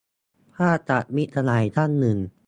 ภาพจาก มิตรสหายท่านหนึ่ง